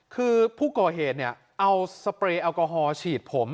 คือผู้ก่อเหตุเนี่ยเอาสเปรย์แอลกอฮอล์ฉีดผม